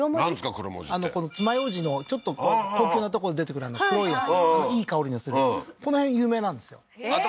クロモジって爪楊枝のちょっと高級なとこで出てくる黒いやついい香りのするうんこの辺有名なんですよって